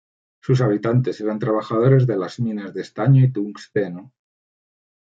Sus habitantes eran trabajadores de las minas de estaño y tungsteno.